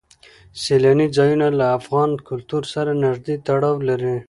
سیلاني ځایونه له افغان کلتور سره نږدې تړاو لري.